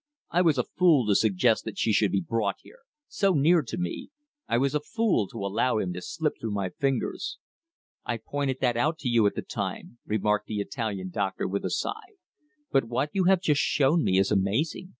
I was a fool to suggest that she should be brought here so near to me! I was a fool to allow him to slip through my fingers!" "I pointed that out to you at the time," remarked the Italian doctor with a sigh. "But what you have just shown to me is amazing.